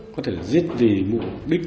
có thể là giết vì mục đích